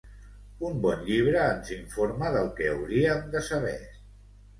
Un bon llibre ens informa del que hauríem de saber.